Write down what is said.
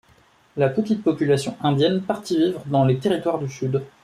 La petite population indienne partit vivre dans les territoires du sud.